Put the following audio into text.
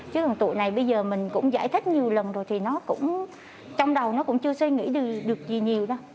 chứ còn tụi này bây giờ mình cũng giải thích nhiều lần rồi thì nó cũng trong đầu nó cũng chưa suy nghĩ được gì nhiều đâu